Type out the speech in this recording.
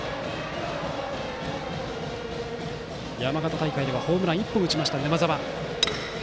山形大会ではホームランを１本打ちました沼澤が打席。